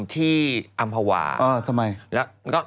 ทำลายร่างสิวลึงะ